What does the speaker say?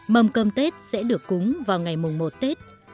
mâm cơm tết sẽ được cúng vào ngày mùng một tết